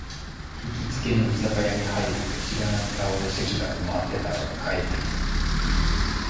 行きつけの居酒屋に入ると、知らない顔で席が埋まってたので帰ってきた